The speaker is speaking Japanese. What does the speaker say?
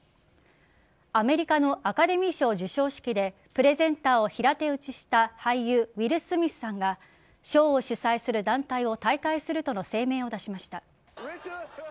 アメリカのアカデミー賞授賞式でプレゼンターを平手打ちした俳優ウィル・スミスさんが賞を主催する団体を退会するとの声明を出しました。